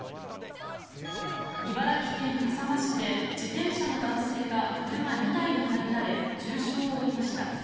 茨城県笠間市で自転車の男性が車２台にはねられ重傷を負いました。